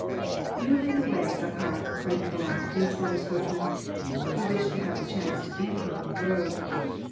"You lead the way, Zakhar! " cried Nikolai, to his father^a coachman ; he wished to have the chance to " beat " him on the road.